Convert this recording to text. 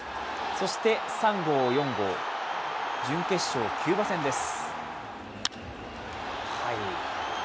そして３号、４号、準決勝キューバ戦です。